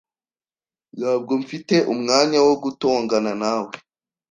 Ntabwo mfite umwanya wo gutongana nawe.